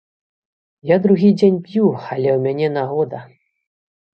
Я другі дзень п'ю, але ў мяне нагода.